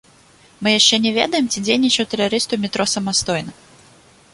Мы яшчэ не ведаем, ці дзейнічаў тэрарыст у метро самастойна.